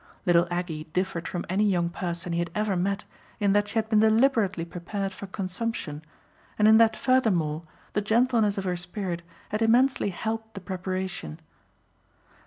Little Aggie differed from any young person he had ever met in that she had been deliberately prepared for consumption and in that furthermore the gentleness of her spirit had immensely helped the preparation.